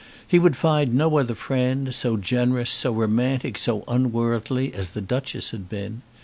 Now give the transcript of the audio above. He would find no other friend so generous, so romantic, so unworldly as the Duchess had been.